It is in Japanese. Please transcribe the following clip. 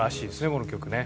この曲ね。